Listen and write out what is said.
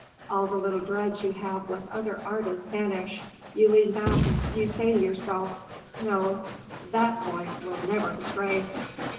All the little dreads you have with other artists vanish. You lean back and you say to yourself, 'No, that voice will never betray.